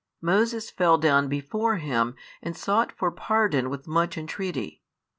Moses fell down before Him and sought for pardon with much entreaty.